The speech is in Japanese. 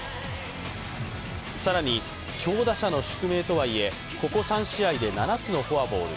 更に、強打者の宿命とはいえ、ここ３試合で７つのフォアボール。